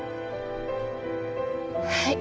はい。